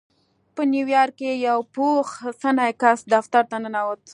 په نيويارک کې يو پوخ سنی کس دفتر ته ننوت.